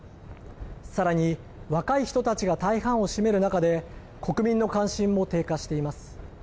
さらに若い人たちが大半を占める中で国民の関心も低下しています。